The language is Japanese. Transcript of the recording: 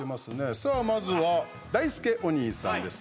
まずは、だいすけお兄さんです。